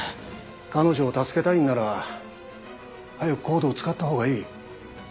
彼女を助けたいんなら早くＣＯＤＥを使った方がいい。